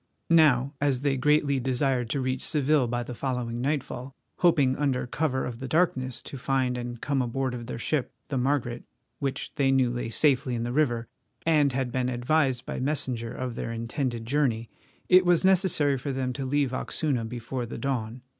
Now, as they greatly desired to reach Seville by the following nightfall, hoping under cover of the darkness to find and come aboard of their ship, the Margaret, which they knew lay safely in the river, and had been advised by messenger of their intended journey, it was necessary for them to leave Oxuna before the dawn.